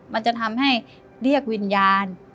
มันจะทำให้เรียกวิญญาณ